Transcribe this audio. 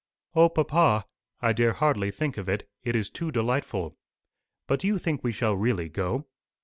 "O papa! I dare hardly think of it it is too delightful. But do you think we shall really go?"